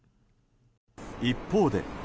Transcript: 一方で。